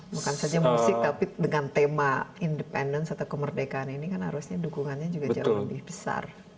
bukan saja musik tapi dengan tema independence atau kemerdekaan ini kan harusnya dukungannya juga jauh lebih besar